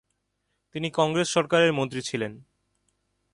তিনি কংগ্রেস সরকারের মন্ত্রী ছিলেন।